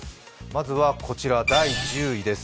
まずはこちら第１０位です。